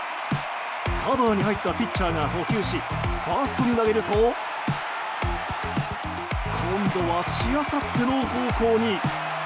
カバーに入ったピッチャーが捕球しファーストに投げると今度は、しあさっての方向に。